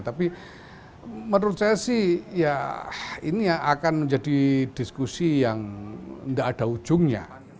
tapi menurut saya sih ya ini yang akan menjadi diskusi yang tidak ada ujungnya